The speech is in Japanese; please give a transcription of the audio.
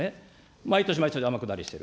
毎年、毎年、天下りしてる。